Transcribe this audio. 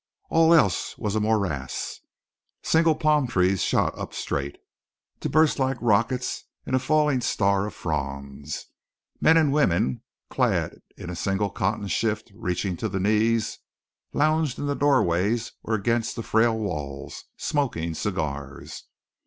All else was a morass. Single palm trees shot up straight, to burst like rockets in a falling star of fronds. Men and women, clad in a single cotton shift reaching to the knees, lounged in the doorways or against the frail walls, smoking cigars.